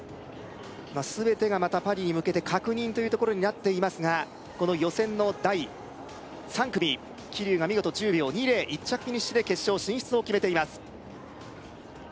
全てがまたパリに向けて確認というところになっていますがこの予選の第３組桐生が見事１０秒２０１着フィニッシュで決勝進出を決めています